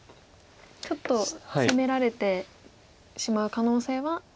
ちょっと攻められてしまう可能性は。